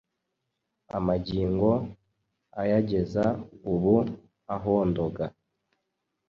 Amagingo ayageza ubu.ahondoga